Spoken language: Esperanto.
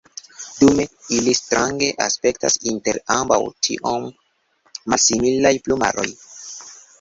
Dume ili strange aspektas inter ambaŭ tiom malsimilaj plumaroj.